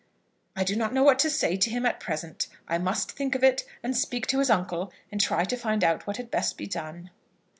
"I do not know what to say to him at present. I must think of it, and speak to his uncle, and try to find out what had best be done."